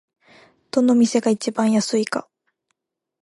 どの店が一番安いか